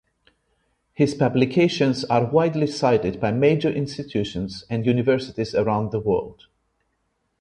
His publications are widely cited by major institutions and universities around the world.